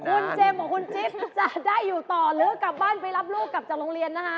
คุณเจมส์ของคุณจิ๊บจะได้อยู่ต่อหรือกลับบ้านไปรับลูกกลับจากโรงเรียนนะคะ